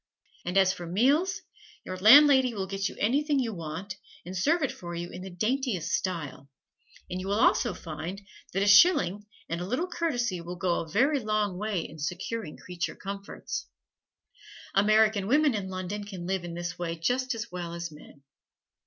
And as for meals, your landlady will get you anything you want and serve it for you in the daintiest style, and you will also find that a shilling and a little courtesy will go a very long way in securing creature comforts. American women in London can live in this way just as well as men.